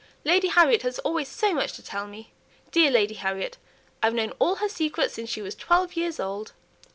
Lady Harriet has always so much to tell me. Dear Lady Harriet! I've known all her secrets since she was twelve years old.